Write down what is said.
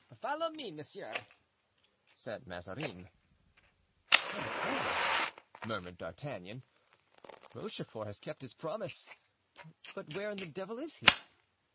"Follow me, monsieur," said Mazarin. "Come, come," murmured D'Artagnan, "Rochefort has kept his promise, but where in the devil is he?"